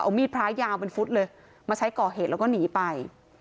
เอามีดพระยาวเป็นฟุตเลยมาใช้ก่อเหตุแล้วก็หนีไป